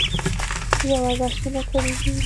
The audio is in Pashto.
ژور بحثونه کړي دي